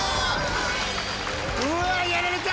うわやられた！